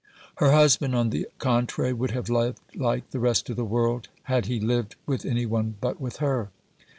Her husband, on the contrary, would have lived like the rest of the world had he lived with any one but with her.